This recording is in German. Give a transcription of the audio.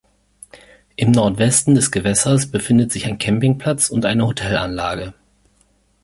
Im Nordwesten des Gewässers befindet sich ein Campingplatz und eine Hotelanlage.